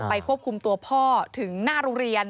ควบคุมตัวพ่อถึงหน้าโรงเรียน